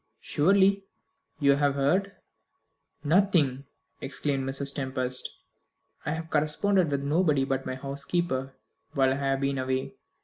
"Surely you have heard " "Nothing," exclaimed Mrs. Tempest. "I have corresponded with nobody but my housekeeper while I have been away.